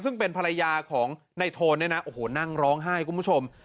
ซึ่งเป็นภรรยาของในโทนเนี่ยนะโอ้โหนั่งร้องไห้คุณผู้ชม